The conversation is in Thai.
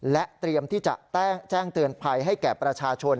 และเตรียมที่จะแจ้งเตือนภัยให้แก่ประชาชน